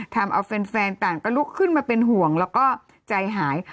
ทำเอาแฟนต่างก็ลุกขึ้นมาเป็นห่วงแล้วก็ใจหาย